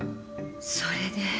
それで。